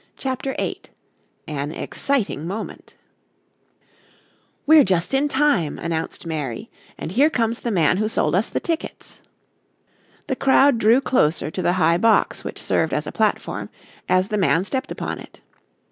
CHAPTER VIII AN EXCITING MOMENT "We're just in time," announced Mary, "and here comes the man who sold us the tickets." The crowd drew closer to the high box which served as a platform, as the man stepped upon it.